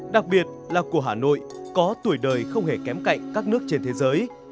đặc biệt là của hà nội có tuổi đời không hề kém cạnh các nước trên thế giới